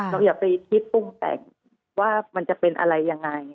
อย่าไปคิดปรุงแต่งว่ามันจะเป็นอะไรยังไง